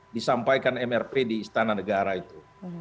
disampaikan mrp di istana negara itu